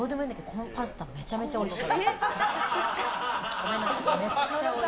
ごめんなさい